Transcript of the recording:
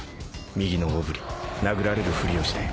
右の大振り殴られるふりをして